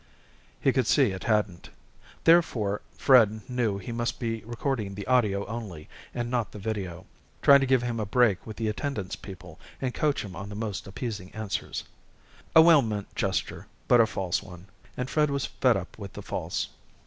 He could see it hadn't. Therefore Fred knew he must be recording the audio only, and not the video; trying to give him a break with the Attendance people and coach him on the most appeasing answers. A well meant gesture, but a false one. And Fred was fed up with the false.